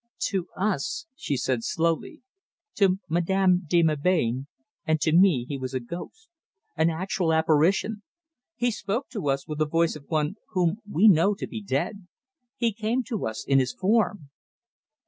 "To us," she said slowly, "to Madame de Melbain and to me, he was a ghost, an actual apparition. He spoke to us with the voice of one whom we know to be dead. He came to us, in his form."